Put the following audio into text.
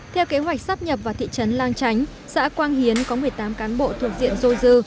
theo kế hoạch sáp nhập vào thị trấn lan tránh xã quang hiến có một mươi tám cán bộ thuộc diện dôi dư